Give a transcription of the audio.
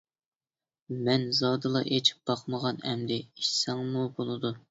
مەن زادىلا ئىچىپ باقمىغان. ئەمدى ئىچسەڭمۇ بولىدۇ.